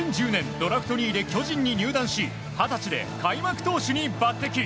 ドラフト２位で巨人に入団し二十歳で開幕投手に抜擢。